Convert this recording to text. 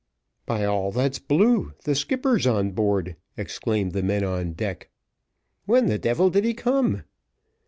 "By all that's blue, the skipper's on board!" exclaimed the men on deck. "When the devil did he come?"